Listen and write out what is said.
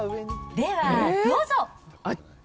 ではどうぞ。